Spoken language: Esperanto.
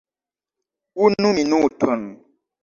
Unu minuton.